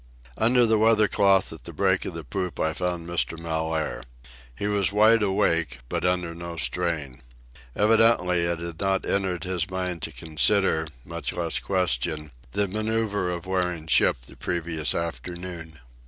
Under the weather cloth at the break of the poop I found Mr. Mellaire. He was wide awake, but under no strain. Evidently it had not entered his mind to consider, much less question, the manoeuvre of wearing ship the previous afternoon.